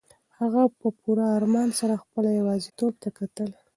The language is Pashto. هغه په پوره ارمان سره خپله یوازیتوب ته کتل.